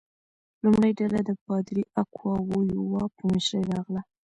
لومړۍ ډله د پادري اکواویوا په مشرۍ راغله.